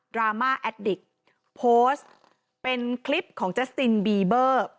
รามาแอดดิกโพสต์เป็นคลิปของเจสตินบีเบอร์